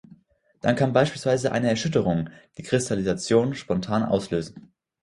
Dann kann beispielsweise eine Erschütterung die Kristallisation spontan auslösen.